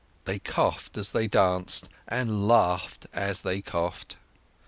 They coughed as they danced, and laughed as they coughed.